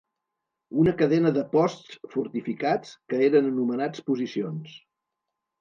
Una cadena de posts fortificats, que eren anomenats «posicions»